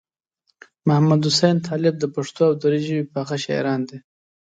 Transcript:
محمدحسین طالب د پښتو او دري ژبې پاخه شاعران دي.